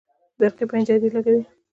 برقي پنجرې لګوي